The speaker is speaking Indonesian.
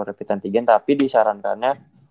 rapid anti gen tapi disarankannya